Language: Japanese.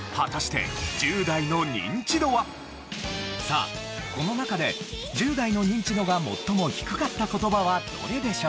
さあこの中で１０代のニンチドが最も低かった言葉はどれでしょうか？